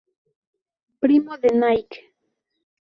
Primo de Nike.